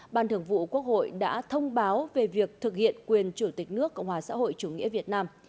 ban thường vụ quốc hội đã thông báo về việc thực hiện quyền chủ tịch nước cộng hòa xã hội chủ nghĩa việt nam